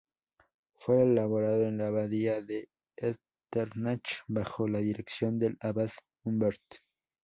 Fue elaborado en la abadía de Echternach, bajo la dirección del abad Humbert.